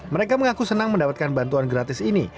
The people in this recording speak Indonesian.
mereka mengaku senang mendapatkan bantuan gratis ini